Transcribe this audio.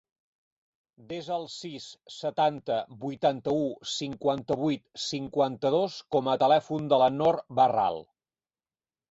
Desa el sis, setanta, vuitanta-u, cinquanta-vuit, cinquanta-dos com a telèfon de la Nor Barral.